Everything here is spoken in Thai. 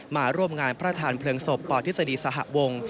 มาร่วมงานพระทานเพลิงศพปทฤษฎีสหวง